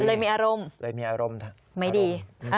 เลยมีอารมณ์ไม่ดี